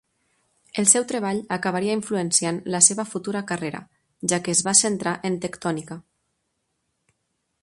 El seu treball acabaria influenciant la seva futura carrera, ja que es va centrar en tectònica.